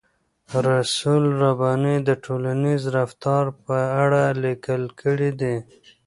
رسول رباني د ټولنیز رفتار په اړه لیکل کړي دي.